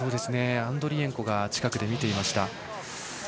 アンドリエンコが近くで見ていました。